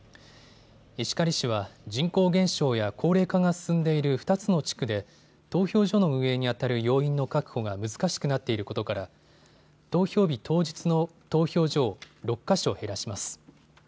石狩市は人口減少や高齢化が進んでいる２つの地区で投票所の運営にあたる要員の確保が難しくなっていることから投票日当日の投票所を６か所減らします。